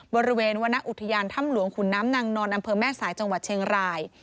วรรณอุทยานถ้ำหลวงขุนน้ำนางนอนอำเภอแม่สายจังหวัดเชียงราย